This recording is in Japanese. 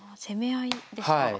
攻め合いですか。